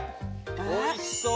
おいしそう。